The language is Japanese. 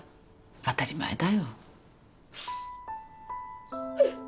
当たり前だよ。